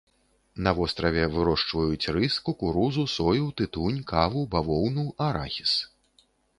На востраве вырошчваюць рыс, кукурузу, сою, тытунь, каву, бавоўну, арахіс.